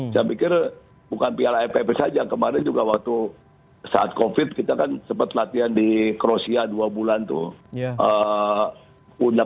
saya pikir bukan piala aff saja kemarin juga waktu saat covid kita kan sempat latihan di kroasia dua bulan tuh